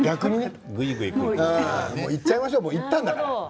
いっちゃいましょういったんだから。